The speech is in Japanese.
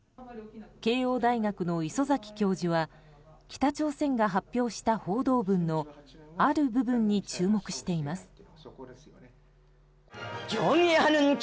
慶應大学の礒崎教授は北朝鮮が発表した報道文のある部分に注目しています。